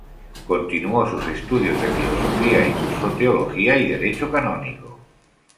Continuó sus estudios de filosofía y curso teología y derecho canónico.